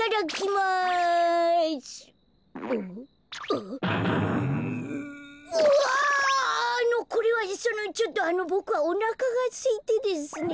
あのこれはそのちょっとあのボクはおなかがすいてですね。